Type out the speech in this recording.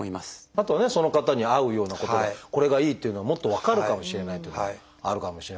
あとはねその方に合うようなことでこれがいいっていうのがもっと分かるかもしれないというのもあるかもしれませんね。